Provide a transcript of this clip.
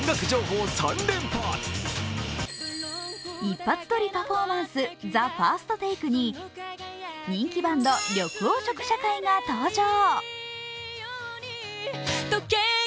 一発撮りパフォーマンスＴＨＥＦＩＲＳＴＴＡＫＥに人気バンド緑黄色社会が登場。